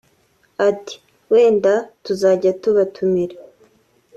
Ati “Wenda tuzajya tubatumira